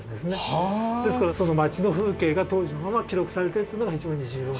ですからその街の風景が当時のまま記録されてるというのが非常に重要。